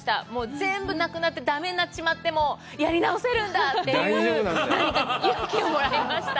全部なくなって、だめになってしまっても、やり直せるんだという何か勇気をもらいました。